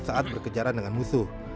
saat berkejaran dengan musuh